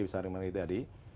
bisa ada yang menurut tadi